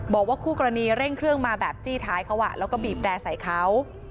บอกว่าคู่กรณีเร่งเครื่องมาแบบจี้ท้ายเขาแล้วก็บีบแร่ใส่เขา